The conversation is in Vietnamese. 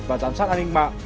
và giám sát an ninh mạng